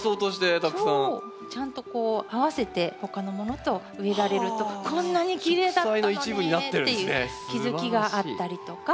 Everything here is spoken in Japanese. ちゃんとこう合わせて他のものと植えられるとこんなにきれいだったのねっていう気付きがあったりとか。